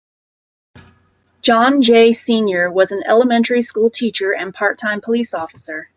John J. Senior was an elementary school teacher and part-time police officer.